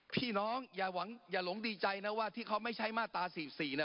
พี่น้องอย่าหวังอย่าหลงดีใจนะว่าที่เขาไม่ใช้มาตราสี่บสี่นะ